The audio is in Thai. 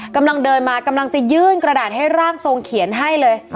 กำลังเดินมากำลังจะยื่นกระดาษให้ร่างทรงเขียนให้เลย